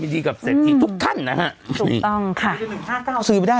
ยินดีกับเศรษฐ์อีกทุกขั้นนะฮะถูกต้องค่ะหนึ่งห้าเก้าซื้อไปได้